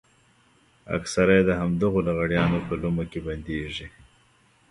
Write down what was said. اکثره يې د همدغو لغړیانو په لومه کې بندېږي.